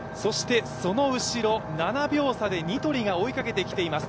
その後ろ廣、７秒差でニトリが追いかけてきています。